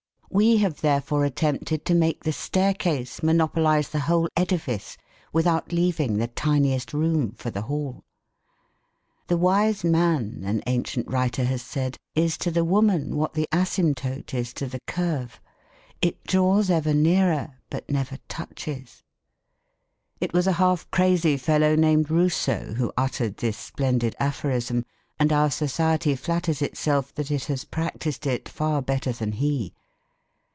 We have therefore attempted to make the staircase monopolise the whole edifice without leaving the tiniest room for the hall. The wise man, an ancient writer has said, is to the woman what the asymptote is to the curve, it draws ever nearer but never touches. It was a half crazy fellow named Rousseau who uttered this splendid aphorism and our society flatters itself that it has practised it far better than he.